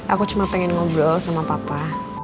aku cuma pengen ngobrol sama papa